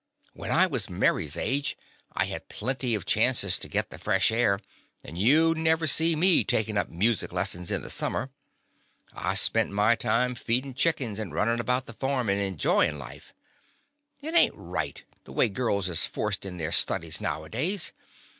When I was May's age I had plenty of chances to git the fresh air, and you 'd. never see me takin' up music lessons in the sum mer. I spent my time feedin' the The Confessions of a Daddy chickens and runnin' about the farm, and enjoyin' life. It ain't right, the way girls is forced in their studies nowadays.